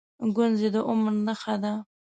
گونځې د عمر نښه ده.